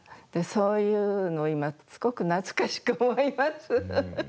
そういうのを今、すごく懐かしく思います。